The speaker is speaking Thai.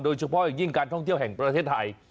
โดยเฉพาะอย่างยิ่งการท่องเที่ยวแห่งประเทศไทย